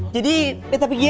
jadi beta pergi ya